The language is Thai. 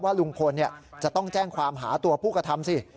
ลุงพลจะต้องแจ้งความหาตัวผู้กระทำสิ